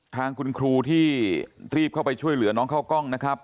ทางคุณครูที่รีบเข้าไปช่วยเหลือน้องเข้ากล้องนะครับ